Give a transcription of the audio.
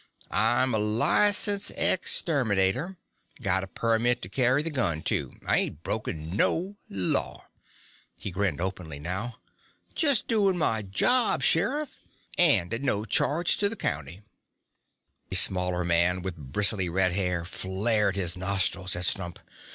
"I'm a licensed exterminator. Got a permit to carry the gun, too. I ain't broken no law." He grinned openly now. "Jest doin' my job, Sheriff. And at no charge to the county." A smaller man with bristly red hair flared his nostrils at Stump.